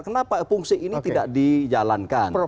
kenapa fungsi ini tidak dijalankan